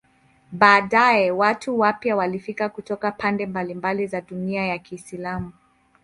Baadaye watu wapya walifika kutoka pande mbalimbali za dunia ya Kiislamu.